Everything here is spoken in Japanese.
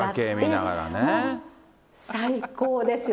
もう最高ですよ。